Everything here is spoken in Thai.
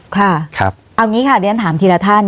ค่ะเอาอย่างนี้ค่ะเรียนถามทีละท่าน